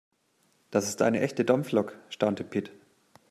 Das ist eine echte Dampflok, staunte Pit.